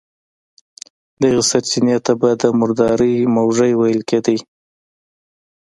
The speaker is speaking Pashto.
دغې سرچينې ته به د مردارۍ موږی ويل کېدی.